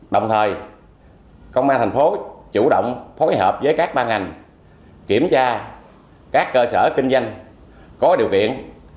đồng thời công an thành phố chủ động phối hợp với các ban ngành kiểm tra các cơ sở kinh doanh có điều kiện